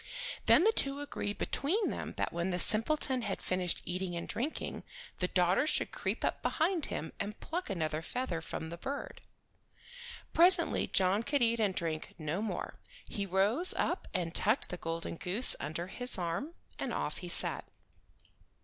Then the two agreed between them that when the simpleton had finished eating and drinking, the daughter should creep up behind him and pluck another feather from the bird. Presently John could eat and drink no more. He rose up and tucked the golden goose under his arm, and off he set.